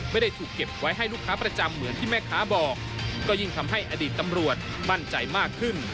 ไม่ได้ถูกเก็บไว้ให้ลูกค้าประจำเหมือนที่แม่ค้าบอกก็ยิ่งทำให้อดีตตำรวจมั่นใจมากขึ้น